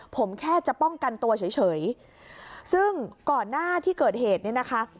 ผมแค่จะป้องกันตัวเฉยเฉยซึ่งก่อนหน้าที่เกิดเหตุเนี่ยนะคะ